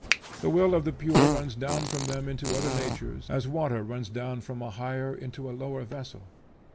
The will of the pure runs down from them into other natures as water runs down from a higher into a lower vessel.